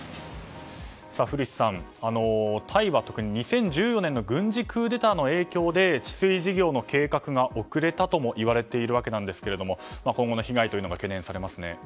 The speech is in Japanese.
古市さん、タイは特に２０１４年の軍事クーデターの影響で治水事業の計画が遅れたともいわれていますが今後の被害というのが懸念されますね。